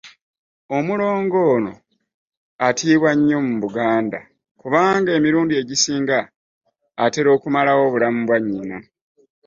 Omulongo ono atiibwa nnyo mu Buganda kubanga emirundi egisinga atera okumalawo obulamu bwa nnyina.